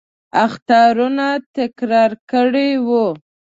اخطارونه تکرار کړي وو.